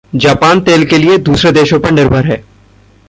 Japan तेल के लिए दूसरे देशों पर निर्भर है।